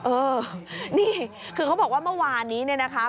เออนี่คือเขาบอกว่าเมื่อวานนี้เนี่ยนะคะ